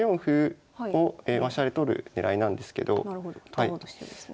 取ろうとしてるんですね。